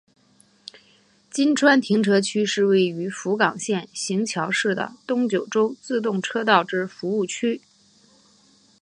今川停车区是位于福冈县行桥市的东九州自动车道之服务区。